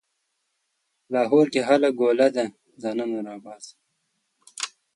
په لاهور کې هله ګوله ده؛ ځانونه راباسئ.